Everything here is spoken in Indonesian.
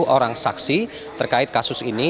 sepuluh orang saksi terkait kasus ini